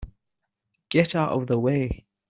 Get out of the way!